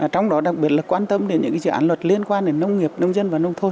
trong đó đặc biệt là quan tâm đến những dự án luật liên quan đến nông nghiệp nông dân và nông thôn